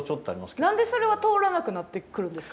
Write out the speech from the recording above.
何でそれは通らなくなってくるんですか？